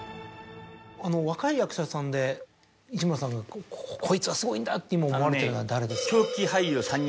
若い役者さんで市村さんがこいつはすごいんだって今思われてるのは誰ですか？